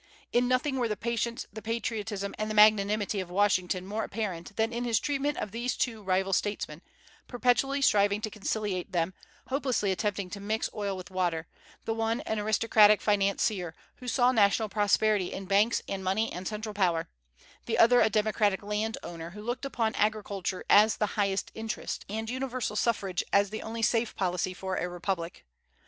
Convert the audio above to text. In nothing were the patience, the patriotism, and the magnanimity of Washington more apparent than in his treatment of these two rival statesmen, perpetually striving to conciliate them, hopelessly attempting to mix oil with water, the one an aristocratic financier, who saw national prosperity in banks and money and central power; the other a democratic land owner, who looked upon agriculture as the highest interest, and universal suffrage as the only safe policy for a republic.